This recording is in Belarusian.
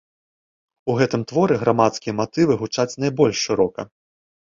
У гэтым творы грамадскія матывы гучаць найбольш шырока.